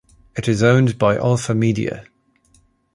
It is owned by Alpha Media.